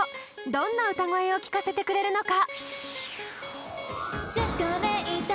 どんな歌声を聴かせてくれるのか？